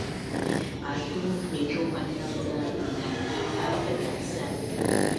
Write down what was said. Qaltu nitu maszang ca binaliv a paitasan